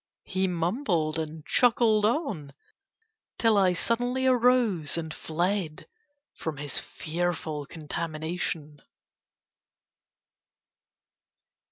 he mumbled and chuckled on, till I suddenly arose and fled from his fearful contamination.